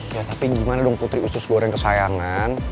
ya tapi gimana dong putri usus goreng kesayangan